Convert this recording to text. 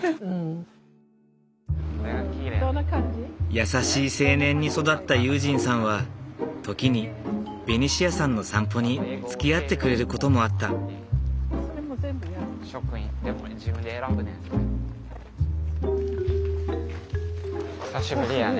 優しい青年に育った悠仁さんは時にベニシアさんの散歩につきあってくれることもあった。久しぶりやね。